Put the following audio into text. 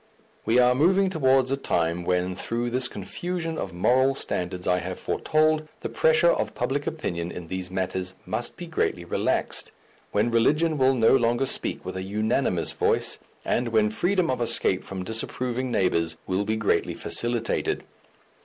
We are moving towards a time when, through this confusion of moral standards I have foretold, the pressure of public opinion in these matters must be greatly relaxed, when religion will no longer speak with a unanimous voice, and when freedom of escape from disapproving neighbours will be greatly facilitated.